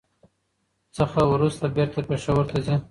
څخه ورورسته بېرته پېښور ته ځي.